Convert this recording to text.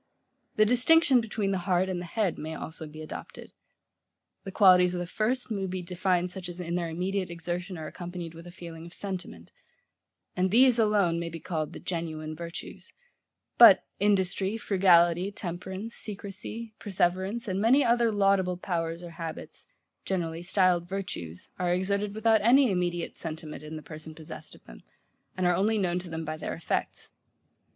The distinction between the heart and the head may also be adopted: the qualities of the first may be defined such as in their immediate exertion are accompanied with a feeling of sentiment; and these alone may be called the genuine virtues: but industry, frugality, temperance, secrecy, perseverance, and many other laudable powers or habits, generally stilled virtues are exerted without any immediate sentiment in the person possessed of them, and are only known to him by their effects.